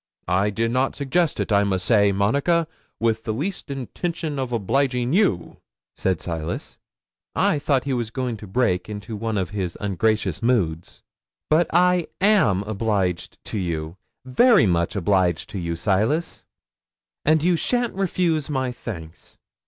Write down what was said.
'"I did not suggest it, I must say, Monica, with the least intention of obliging you," said Silas. 'I thought he was going to break into one of his ungracious moods. '"But I am obliged to you very much obliged to you, Silas; and you sha'n't refuse my thanks."